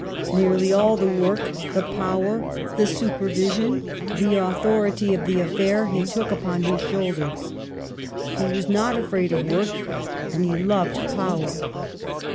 Nearly all the work, the power, the supervision, the authority of the affair, he took upon his shoulders. He was not afraid of work, and he loved power.